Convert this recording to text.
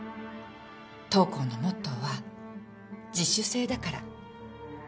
当校のモットーは自主性だから